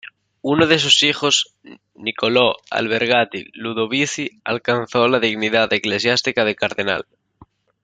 Uno de sus hijos, Niccolò Albergati-Ludovisi, alcanzó la dignidad eclesiástica de Cardenal.